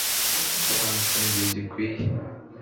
asobanutse mu gihe gikwiye.